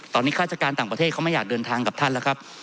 ตอนนี้ข้าราชการต่างประเทศเขาไม่อยากเดินทางกับท่านแล้วครับ